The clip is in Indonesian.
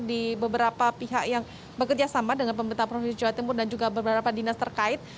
di beberapa pihak yang bekerja sama dengan pemerintah provinsi jawa timur dan juga beberapa dinas terkait